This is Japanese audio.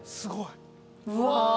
うわ。